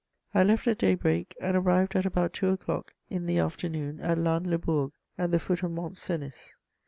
I left at day break and arrived at about two o'clock in the afternoon at Lans le Bourg, at the foot of Mont Cenis.